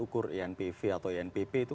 ukur enpv atau enpp itu